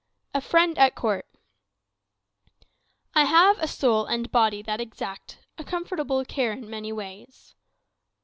A Friend at Court "I have a soul and body that exact A comfortable care in many ways."